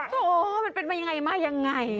โถมันเป็นมายังไงมายังไง